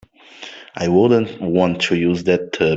I wouldn't want to use that tub.